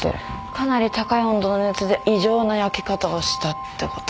かなり高い温度の熱で異常な焼け方をしたってこと。